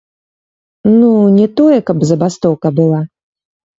Ну, не тое, каб забастоўка была.